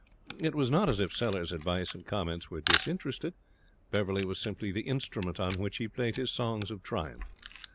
It was not as if Sellers' advice and comments were disinterested. Beverley was simply the instrument on which he played his songs of triumph.